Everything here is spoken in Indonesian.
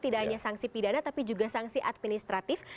tidak hanya sangsi pidana tapi juga sangsi administratif